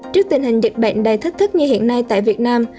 trước tình hình dịch bệnh đầy thách thức như hiện nay tại việt nam